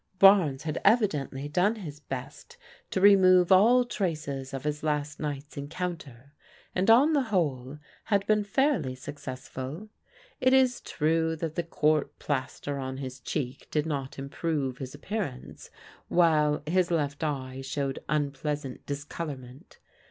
Barnes had evidently done his best to remove all traces of his last night's encounter, and on the whole had been fairly successful. It is true that the court plaster on Ms dieek did not improve his appearance, viYvvV^ \C\^ VSX. 200 PRODIGAL DAUGHTERS Coi eye showed unpleasant discolourment.